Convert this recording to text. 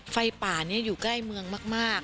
ไฟป่านี้อยู่ใกล้เมืองมาก